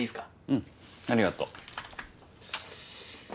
うんありがとう。